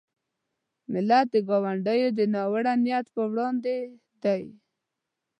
ملت د ګاونډیو د ناوړه نیت په وړاندې دی.